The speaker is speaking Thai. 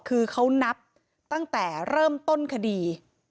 คือเขานับตั้งแต่เริ่มต้นคดี